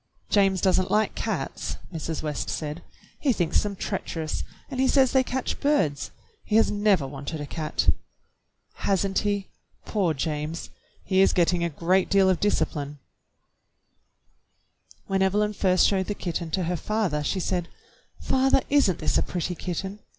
"James does n't like cats," Mrs. West said. "He thinks them treacherous, and he says they catch birds. He has never wanted a cat." "Has n't he? Poor James! He is getting a great deal of discipline." NANCY MERRIFIELD AND THE STRANGER 29 When Evelyn first showed the kitten to her father she said: "Father, isn't this a pretty kitten?